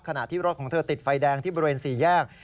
ขณะที่รถของเธอติดไฟแดงที่บริเวณ๔แยก